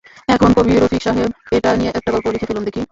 এখন কবি রফিক সাহেব, এটা নিয়ে একটা গল্প লিখে ফেলুন দেখি।